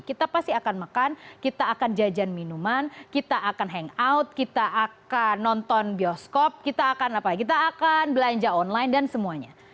kita pasti akan makan kita akan jajan minuman kita akan hangout kita akan nonton bioskop kita akan apa kita akan belanja online dan semuanya